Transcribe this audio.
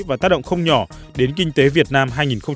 và tác động không nhỏ đến kinh tế việt nam hai nghìn một mươi chín